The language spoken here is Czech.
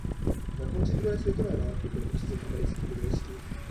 Na konci druhé světové války byl obsazen americkými vojsky.